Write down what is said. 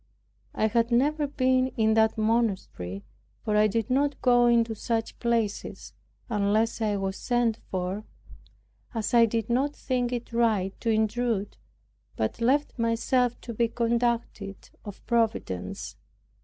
I had never been in that monastery; for I did not go into such places, unless I was sent for, as I did not think it right to intrude, but left myself to be conducted of Providence.